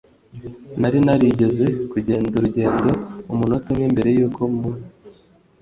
Nari narigeze kugenda urugendo umunota umwe mbere yuko mpura.